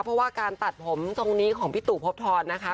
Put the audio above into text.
เพราะว่าการตัดผมทรงนี้ของพี่ตู่พบทรนะคะ